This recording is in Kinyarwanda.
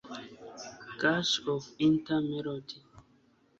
Gush of enter melody